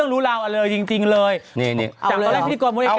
น่ารักหน่อยซิ